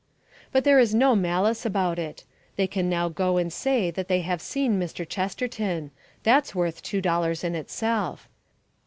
But there is no malice about it. They can now go and say that they have seen Mr. Chesterton; that's worth two dollars in itself.